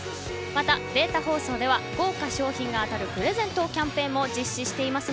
また、データ放送では豪華賞品が当たるプレゼントのキャンペーンも実施しています。